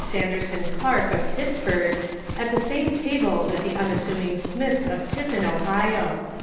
Sanderson Clark, of Pittsburgh, at the same table with the unassuming Smiths, of Tiffin, Ohio.